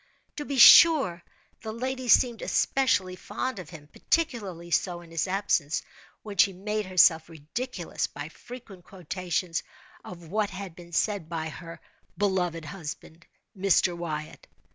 To be sure, the lady seemed especially fond of him—particularly so in his absence—when she made herself ridiculous by frequent quotations of what had been said by her "beloved husband, Mr. Wyatt."